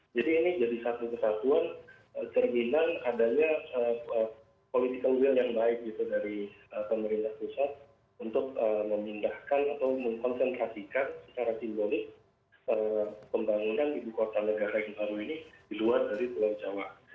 jadi ini jadi satu kesatuan tergindang adanya political will yang baik dari pemerintah pusat untuk memindahkan atau mengkonsentrasikan secara simbolis pembangunan di kota negara yang baru ini di luar dari pulau jawa